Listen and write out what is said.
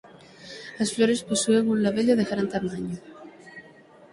As flores posúen un labelo de gran tamaño.